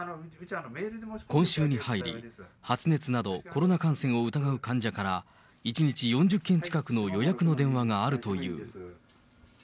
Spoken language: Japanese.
今週に入り、発熱など、コロナ感染を疑う患者から、１日４０件近くの予約の電話があるという。